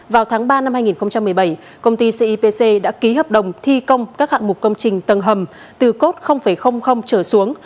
vào tháng ba năm hai nghìn một mươi bảy công ty cipc đã ký hợp đồng thi công các hạng mục công trình tầng hầm từ cốt trở xuống